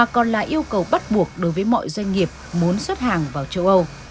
cầu bắt buộc đối với mọi doanh nghiệp muốn xuất hàng vào châu âu